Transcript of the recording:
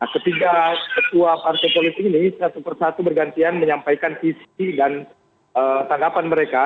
ketiga ketua partai politik ini satu persatu bergantian menyampaikan visi dan tanggapan mereka